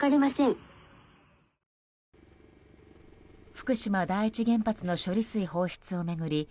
福島第一原発の処理水放出を巡り